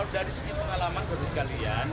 dari segi pengalaman dari kalian